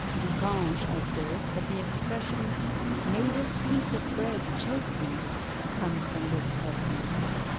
Du Cange observed, that the expression "May this piece of bread choke me!" comes from this custom.